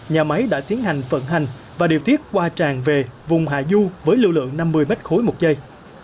nhà máy đã tiến hành vận hành và điều tiết qua tràng về vùng hạ du với lưu lượng năm mươi mét khối một giây